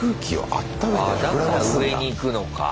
ああだから上に行くのか。